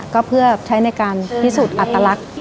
ก็เพื่อใช้ในการพิสูจน์อัตลักษณ์